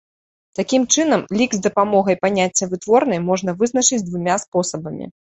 Такім чынам, лік з дапамогай паняцця вытворнай можна вызначыць двума спосабамі.